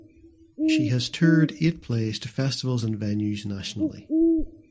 She has toured eight plays to festivals and venues nationally.